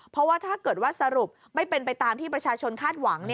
เพราะว่าถ้าเกิดว่าสรุปไม่เป็นไปตามที่ประชาชนคาดหวัง